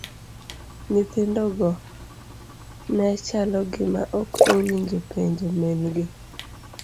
Nyithindo go nechalo gima ok owinjo penjo min gi.